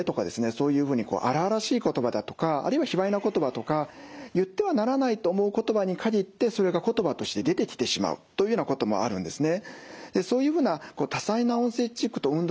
そういうふうに荒々しい言葉だとかあるいは卑わいな言葉とか言ってはならないと思う言葉に限ってそれが言葉として出てきてしまうというようなこともあるんですね。